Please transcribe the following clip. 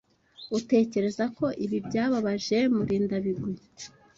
Utekereza ko ibi byababaje Murindabigwi?